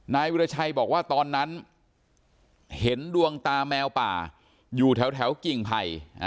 นายวิราชัยบอกว่าตอนนั้นเห็นดวงตาแมวป่าอยู่แถวกิ่งไผ่